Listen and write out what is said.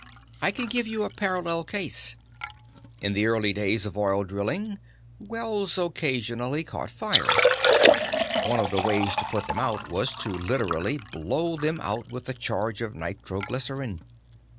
"I can give you a parallel case. In the early days of oil drilling, wells occasionally caught fire. One of the ways to put them out was to literally blow them out with a charge of nitroglycerine.